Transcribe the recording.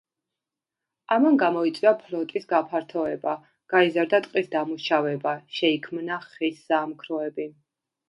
ამან გამოიწვია ფლოტის გაფართოება, გაიზარდა ტყის დამუშავება, შეიქმნა ხის საამქროები.